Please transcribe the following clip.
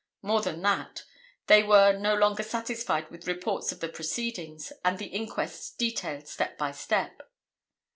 More than that, they were no longer satisfied with reports of the proceedings at the inquest detailed step by step.